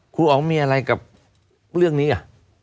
อ๋องมีอะไรกับเรื่องนี้อ่ะ